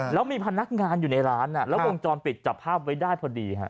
แล้วมีพนักงานอยู่ในร้านแล้ววงจรปิดจับภาพไว้ได้พอดีฮะ